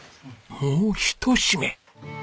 もうひと締め。